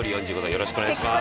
よろしくお願いします。